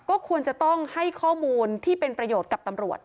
ก็ควรจะต้องให้ข้อมูลที่เป็นประโยชน์กับตำรวจ